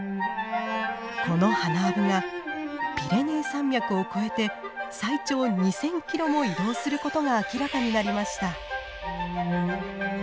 このハナアブがピレネー山脈を越えて最長２，０００キロも移動することが明らかになりました。